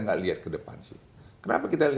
nggak lihat ke depan sih kenapa kita